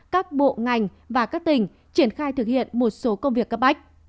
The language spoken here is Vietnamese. các bộ ngành và các tỉnh triển khai thực hiện một số công việc cấp bách